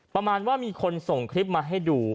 ประมาณว่ามีคนส่งคลิปมาให้ดู